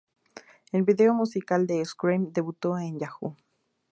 El video musical de "Scream" debutó en Yahoo!